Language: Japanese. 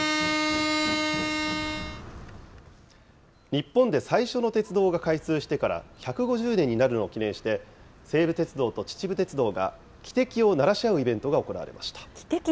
日本で最初の鉄道が開通してから１５０年になるのを記念して、西武鉄道と秩父鉄道が汽笛を鳴らし合うイベントが行われました。